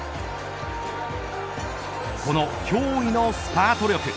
この脅威のスパート力。